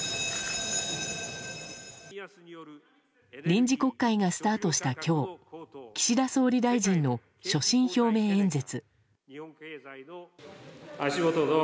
臨時国会がスタートした今日岸田総理大臣の所信表明演説。